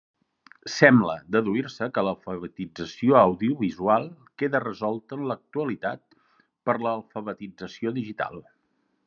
Sembla deduir-se que l'alfabetització audiovisual queda resolta en l'actualitat per l'alfabetització digital.